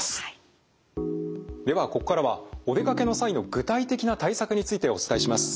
ではここからはお出かけの際の具体的な対策についてお伝えします。